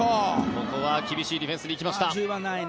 ここは厳しいディフェンスで行きました。